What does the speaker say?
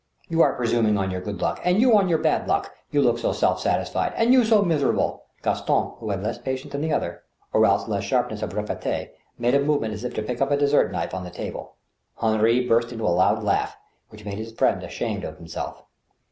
" You are presuming on your good luck ..."" And you on your bad luck ..."" You look so self satisfied ..."*' And you so miserable ..." Gaston, who had less patience than the other, or else less sharp ness of repartee, made a movement as if to pick up a dessert knife on the table. Henri burst into a loud laugh, which made his friend ashamed of himself.